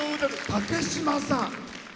竹島さん。